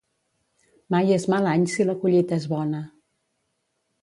Mai és mal any si la collita és bona.